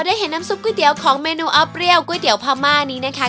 ได้เห็นน้ำซุปก๋วยเตี๋ยวของเมนูออฟเปรี้ยวก๋วยเตี๋ยวพม่านี้นะคะ